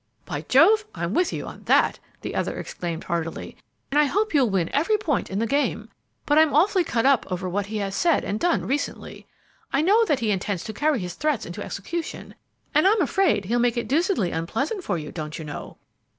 "By Jove! I'm with you on that," the other exclaimed heartily, "and I hope you'll win every point in the game; but I've been awfully cut up over what he has said and done recently. I know that he intends to carry his threats into execution, and I'm afraid he'll make it deucedly unpleasant for you, don't you know."